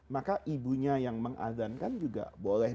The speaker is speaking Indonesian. maka ibunya yang mengadhankan juga boleh